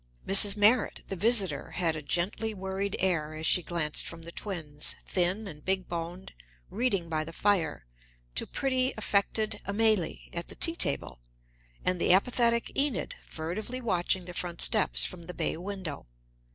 Mrs. Merritt, the visitor, had a gently worried air as she glanced from the twins, thin and big boned, reading by the fire, to pretty, affected Amélie at the tea table, and the apathetic Enid furtively watching the front steps from the bay window.